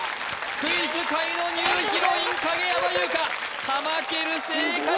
クイズ界のニューヒロイン影山優佳かまける正解！